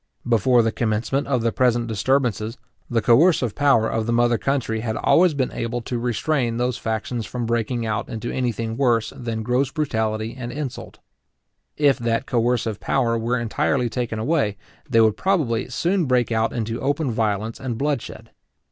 Before the commencement of the present disturbances, the coercive power of the mother country had always been able to restrain those factions from breaking out into any thing worse than gross brutality and insult. If that coercive power were entirely taken away, they would probably soon break out into open violence and bloodshed.